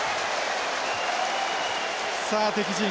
さあ敵陣